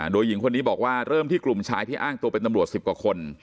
โดยหญิงคนนี้บอกว่าเริ่มที่กลุ่มชายที่อ้างตัวเป็นตำรวจ๑๐กว่าคน